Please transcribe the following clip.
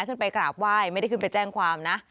ขึ้นไปกราบไหว้ไม่ได้ขึ้นไปแจ้งความนะ